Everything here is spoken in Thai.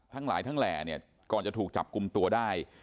ทั้งหลายทั้งแหลกก่อนจะถูกจับกุมตัวได้